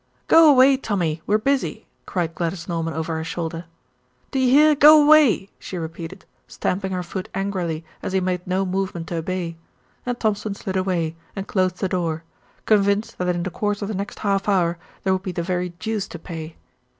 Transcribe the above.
"Go away, Tommy, we're busy," cried Gladys Norman over her shoulder. "Do you hear; go away," she repeated, stamping her foot angrily as he made no movement to obey, and Thompson slid away and closed the door, convinced that in the course of the next half hour there would be the very deuce to pay.